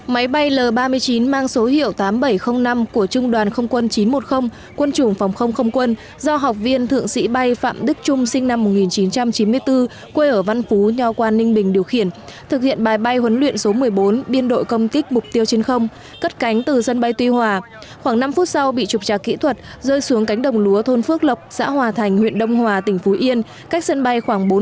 máy bay l ba mươi chín mang số hiệu tám nghìn bảy trăm linh năm của trung đoàn không quân chín trăm một mươi quân chủng phòng không không quân do học viên thượng sĩ bay phạm đức trung sinh năm một nghìn chín trăm chín mươi bốn quê ở văn phú nhòa quan ninh bình điều khiển thực hiện bài bay huấn luyện số một mươi bốn biên đội công tích mục tiêu trên không cất cánh từ sân bay tuy hòa khoảng năm phút sau bị chụp trà kỹ thuật rơi xuống cánh đồng lúa thôn phước lộc xã hòa thành huyện đông hòa tỉnh phú yên cách sân bay khoảng bốn km